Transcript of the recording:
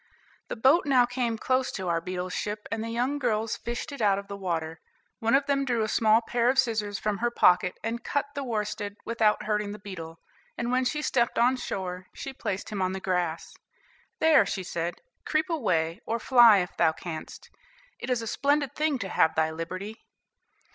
The boat now came close to our beetle's ship, and the young girls fished it out of the water. One of them drew a small pair of scissors from her pocket, and cut the worsted without hurting the beetle, and when she stepped on shore she placed him on the grass. "There," she said, "creep away, or fly, if thou canst. It is a splendid thing to have thy liberty."